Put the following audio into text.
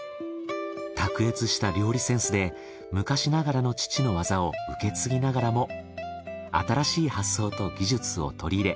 卓越した料理センスで昔ながらの父の技を受け継ぎながらも新しい発想と技術を取り入れ